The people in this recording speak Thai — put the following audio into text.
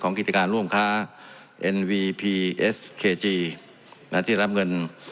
ของกิจการร่วมค้านวีพีเอสเตศ์เคจีย์นะว่าที่รับเงิน